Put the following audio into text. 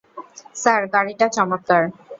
Sir, গাড়িটা চমৎকার।